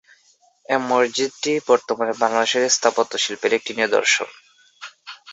এ মসজিদটি বর্তমানে বাংলাদেশের স্থাপত্য শিল্পের একটি নিদর্শন।